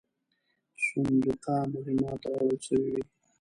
صندوقه مهمات راوړل سوي وې.